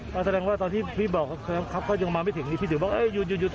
ก็แสดงว่าตอนที่พี่บอกครับครับก็ยังมาไม่ถึงพี่ถือบอกเอ้ยหยุดหยุดหยุด